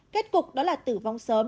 kết cục đó là tử vong sớm